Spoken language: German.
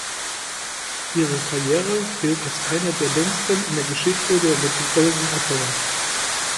Ihre Karriere gilt als eine der längsten in der Geschichte der Metropolitan Opera.